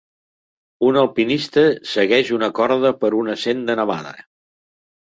Un alpinista segueix una corda per una senda nevada.